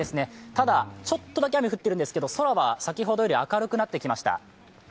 ただ、ちょっとだけ雨降っているんですが、空は先ほどより明るくなってきました。